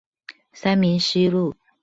三民西路